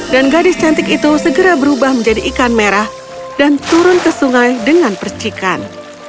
dan gadis cantik itu segera berubah menjadi ikan merah dan turun ke sungai dengan percikan